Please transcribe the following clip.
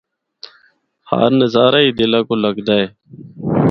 ہر نظارہ ہی دلاّ کو لگدا اے۔